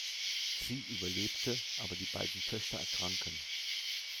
Sie überlebte, aber die beiden Töchter ertranken.